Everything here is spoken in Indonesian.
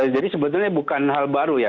jadi sebetulnya bukan hal baru ya